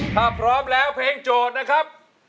ถ้าพร้อมแล้วเพลงโจทย์นะครับ